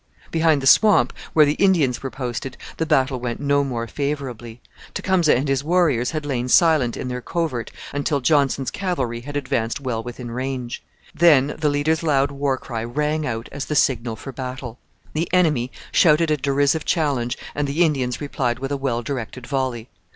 Behind the swamp, where the Indians were posted, the battle went no more favourably. Tecumseh and his warriors had lain silent in their covert until Johnson's cavalry had advanced well within range. Then the leader's loud war cry rang out as the signal for battle. The enemy shouted a derisive challenge, and the Indians replied with a well directed volley.